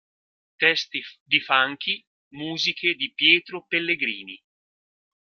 Testi di Funky, musiche di Pietro Pellegrini